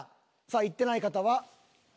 さあいってない方は？